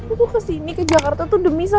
aku kesini ke jakarta tuh demi saya